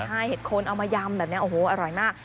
ใช่เห็ดโคนเอามายำแบบนี้โอ้โหอร่อยมาก